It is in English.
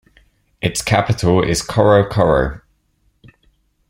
Its capital is Coro Coro.